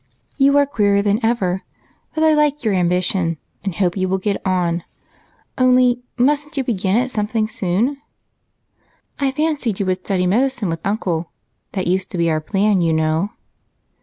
"You are queerer than ever. But I like your ambition, and hope you will get on. Only mustn't you begin at something soon? I fancied you would study medicine with Uncle that used to be our plan, you know."